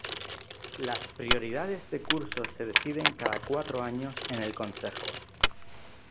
Las prioridades de curso se deciden cada cuatro años en el Consejo.